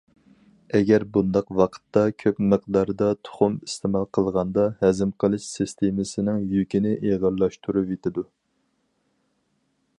ئەگەر بۇنداق ۋاقىتتا، كۆپ مىقداردا تۇخۇم ئىستېمال قىلغاندا، ھەزىم قىلىش سىستېمىسىنىڭ يۈكىنى ئېغىرلاشتۇرۇۋېتىدۇ.